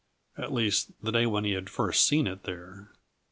At least, the day when he had first seen it there.